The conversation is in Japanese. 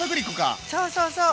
そうそうそう！